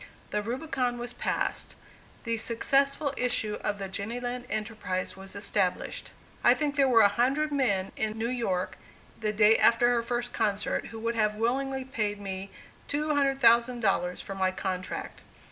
The Rubicon was passed. The successful issue of the Jenny Lind enterprise was established. I think there were a hundred men in New York, the day after her first concert, who would have willingly paid me $200,000 for my contract.